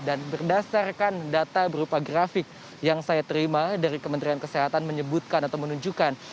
dan berdasarkan data berupa grafik yang saya terima dari kementerian kesehatan menyebutkan atau menunjukkan